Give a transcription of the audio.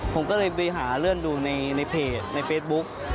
ผมก็เลยไปหาเลื่อนดูในเพจในเฟซบุ๊ก